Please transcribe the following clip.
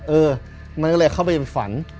เออมันก็เลยเข้าไปฝัน